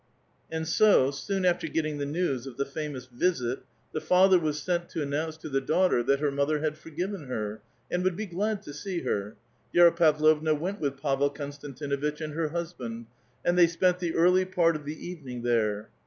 And so, soon iafter getting the news of the famous visit, the father was sent to announce to the daughter that her mother had forgiven her, and would be glad to see her. Vi^ra Pavlovna went with Pavel Konstantinuitch and her husband, and they spent the early part of the evening there.